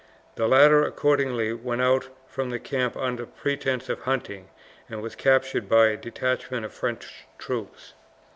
The latter accordingly went out from the camp under pretence of hunting and was captured by a detachment of French troops.